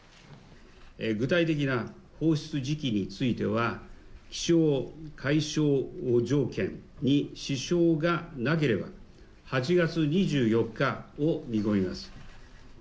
具体的な放出時期については、気象海象条件に支障がなければ、８月２４日を見込みます。